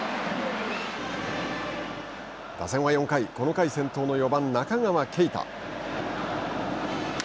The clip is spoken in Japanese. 打線は４回この回先頭の４番中川圭太。